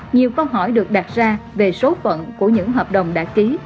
nhiều câu hỏi được đặt ra về số phận của những hợp đồng đã ký